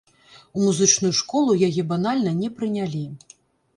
У музычную школу яе банальна не прынялі.